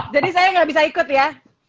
jadi saya ga bisa ikut ya